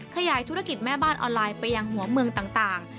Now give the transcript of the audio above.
ขยายธุรกิจแม่บ้านออนไลน์ไปยังหัวเมืองต่าง